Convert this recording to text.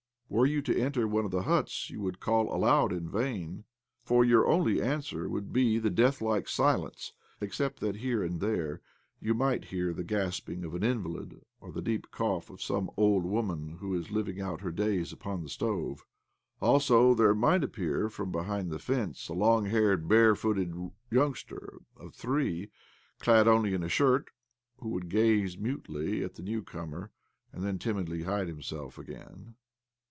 Were you to enter one of the huts, you would call б 82 OBLOMOV aloud in vain, for your only answer would be the deathlike isilence^ except that here and there you might hear the gasping of an invalid or the deep cough of some old woman who is living out her days upon the stove. AlsOj there might appear from behind the fence a long haired, barefooted youngster of three, clad only in a shirt, who would gaze mutely at the new comer, and then timidly hide himself again.